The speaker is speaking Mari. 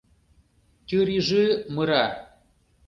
Тьырижы мыра.